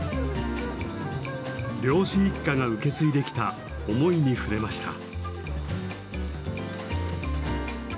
漁師一家が受け継いできた思いに触れました。